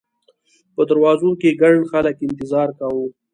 په دروازو کې ګڼ خلک انتظار کاوه.